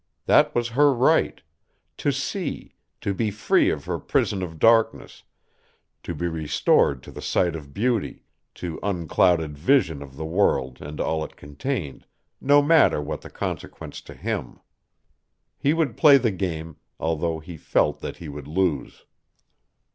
That was her right, to see, to be free of her prison of darkness, to be restored to the sight of beauty, to unclouded vision of the world and all it contained, no matter what the consequence to him. He would play the game, although he felt that he would lose.